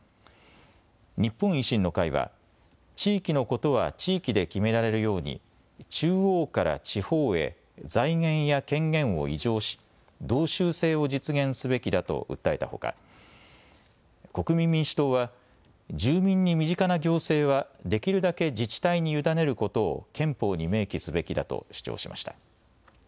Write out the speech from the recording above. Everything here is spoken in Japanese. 日本維新の会は地域のことは地域で決められるように中央から地方へ財源や権限を移譲し、道州制を実現すべきだと訴えたほか国民民主党は住民に身近な行政はできるだけ自治体に委ねることを憲法に明記すべきだと主張しました。